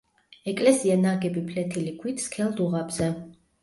ეკლესია ნაგები ფლეთილი ქვით, სქელ დუღაბზე.